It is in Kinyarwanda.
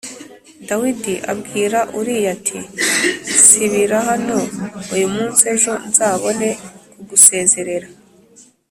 Dawidi abwira Uriya ati “Sibira hano uyu munsi, ejo nzabone kugusezerera.”